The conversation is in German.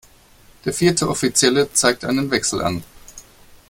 Der vierte Offizielle zeigt einen Wechsel an.